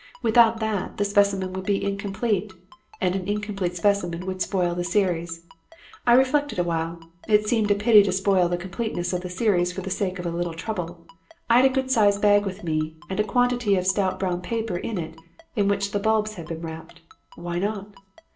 Without that, the specimen would be incomplete; and an incomplete specimen would spoil the series. I reflected awhile. It seemed a pity to spoil the completeness of the series for the sake of a little trouble. I had a good sized bag with me and a quantity of stout brown paper in it in which the bulbs had been wrapped. Why not?